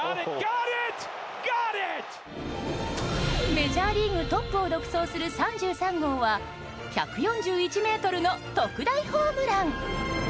メジャーリーグトップを独走する３３号は１４１ｍの特大ホームラン。